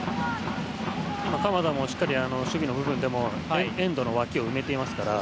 鎌田もしっかり守備の部分で遠藤の脇を埋めていますから。